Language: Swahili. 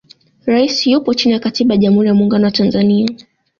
rais yupo chini ya katiba ya jamhuri ya muungano wa tanzania